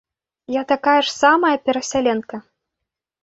Я такая ж самая перасяленка.